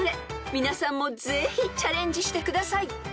［皆さんもぜひチャレンジしてください］